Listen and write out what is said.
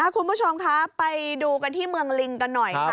คุณผู้ชมคะไปดูกันที่เมืองลิงกันหน่อยค่ะ